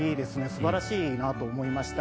素晴らしいなと思いました。